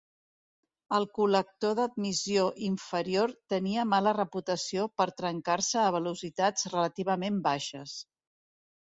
El col·lector d'admissió inferior tenia mala reputació per trencar-se a velocitats relativament baixes.